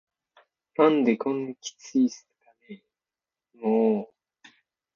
「何でこんなキツいんすかねぇ～も～…」